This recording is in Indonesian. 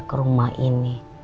ke rumah ini